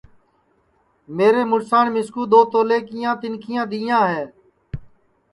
میرے مُُڑسان مِسکُو دؔو تولیے کیاں تینٚکھیا دؔیاں ہے